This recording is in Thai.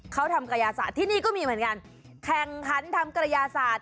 เขาทำกระยาศาสตร์ที่นี่ก็มีเหมือนกันแข่งขันทำกระยาศาสตร์